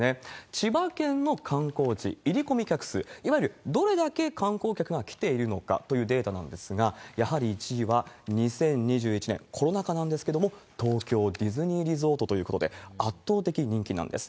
千葉県の観光地、入込客数、いわゆるどれだけ観光客が来ているのかというデータなんですが、やはり１位は、２０２１年、コロナ禍なんですけれども、東京ディズニーリゾートということで、圧倒的人気なんです。